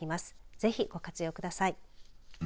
ぜひ、ご活用ください。